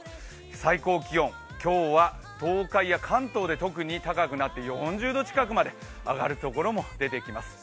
最高気温今日は東海や関東で特に高くなって４０度近くまで上がるところも出てきます。